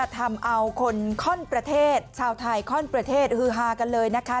ทำเอาคลาสผู้ห้นประเทศชาวไทยคลาสผู้ห้นประเทศหือฮากันเลยนะคะ